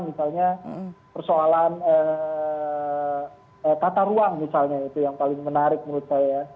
misalnya persoalan tata ruang misalnya itu yang paling menarik menurut saya